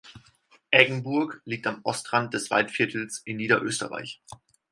Eggenburg liegt am Ostrand des Waldviertels in Niederösterreich.